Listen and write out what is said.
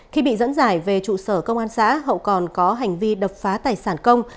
khi bị dẫn giải về trụ sở công an xã hậu còn có hành vi đập phá tài sản công